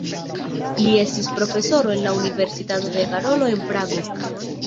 Li estis profesoro en la Universitato de Karolo en Prago.